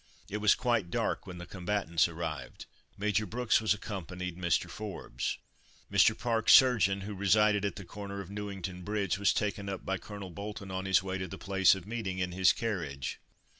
It was quite dark when the combatants arrived. Major Brooks was accompanied Mr. Forbes. Mr. Park, surgeon, who resided at the corner of Newington bridge, was taken up by Colonel Bolton on his way to the place of meeting in his carriage.